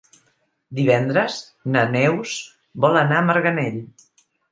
Divendres na Neus vol anar a Marganell.